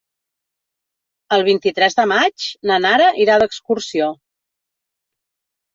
El vint-i-tres de maig na Nara irà d'excursió.